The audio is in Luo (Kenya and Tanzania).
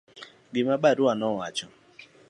gima barua nowacho